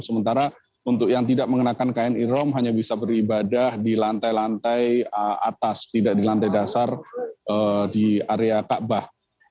sementara untuk yang tidak mengenakan kain irom hanya bisa beribadah di lantai lantai atas tidak di lantai dasar di area kaabah